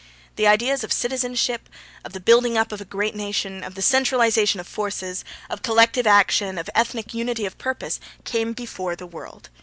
The ideas of citizenship, of the building up of a great nation, of the centralisation of forces, of collective action, of ethnic unity of purpose, came before the world.